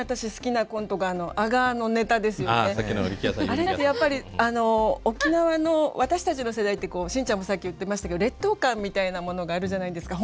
あれってやっぱり沖縄の私たちの世代って信ちゃんもさっき言ってましたけど劣等感みたいなものがあるじゃないですか。